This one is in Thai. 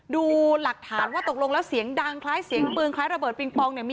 ดูหลักฐานว่าตกลงแล้วเสียงดังคล้ายเสียงปืนคล้ายระเบิดปิงปองเนี่ย